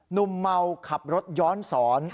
เมาขับรถย้อนสอน